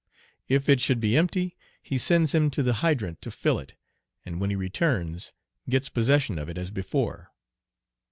If it should be empty, he sends him to the hydrant to fill it, and, when he returns, gets possession of it as before.